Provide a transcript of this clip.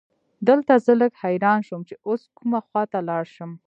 دلته زه لږ حیران شوم چې اوس کومې خواته لاړ شم.